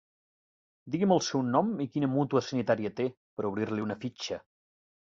Digui'm el seu nom i quina mútua sanitària té, per obrir-li una fitxa.